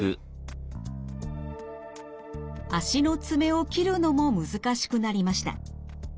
足の爪を切るのも難しくなりました。